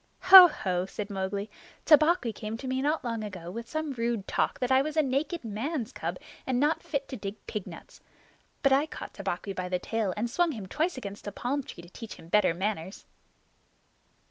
"Ho! ho!" said Mowgli. "Tabaqui came to me not long ago with some rude talk that I was a naked man's cub and not fit to dig pig nuts. But I caught Tabaqui by the tail and swung him twice against a palm tree to teach him better manners."